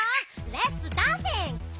レッツダンシング！